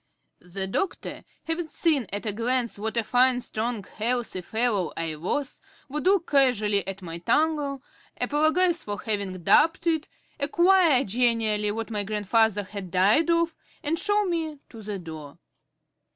The doctor, having seen at a glance what a fine strong healthy fellow I was, would look casually at my tongue, apologise for having doubted it, enquire genially what my grandfather had died of, and show me to the door.